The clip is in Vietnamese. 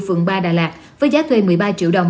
phường ba đà lạt với giá thuê một mươi ba triệu đồng